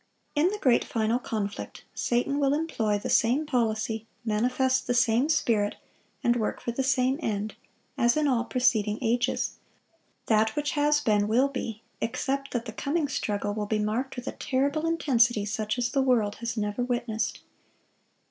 In the great final conflict, Satan will employ the same policy, manifest the same spirit, and work for the same end, as in all preceding ages. That which has been, will be, except that the coming struggle will be marked with a terrible intensity such as the world has never witnessed.